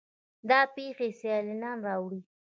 دا پیښې سیلانیان راوړي.